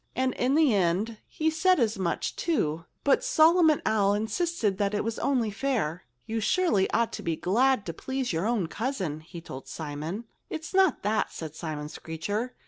And in the end he said as much, too. But Solomon Owl insisted that it was only fair. "You surely ought to be glad to please your own cousin," he told Simon. "It's not that," said Simon Screecher.